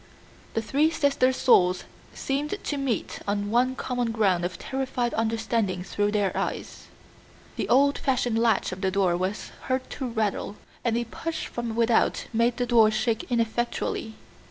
The three sisters' souls seemed to meet on one common ground of terrified understanding through their eyes. The old fashioned latch of the door was heard to rattle, and a push from without made the door shake ineffectually.